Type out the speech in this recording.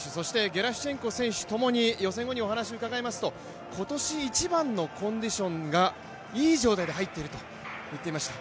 ゲラシュチェンコ選手ともにお話を聞きますと今年一番のコンディションがいい状態で入っていると言っていました。